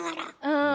うん。